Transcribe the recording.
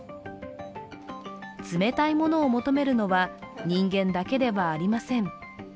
冷たいものを求めるのは、人間だけではありません。